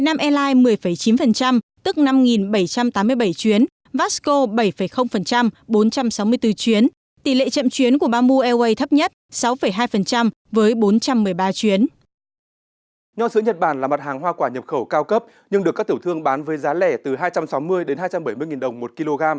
lo sữa nhật bản là mặt hàng hoa quả nhập khẩu cao cấp nhưng được các tiểu thương bán với giá lẻ từ hai trăm sáu mươi đến hai trăm bảy mươi đồng một kg